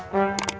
nih bolok ke dalam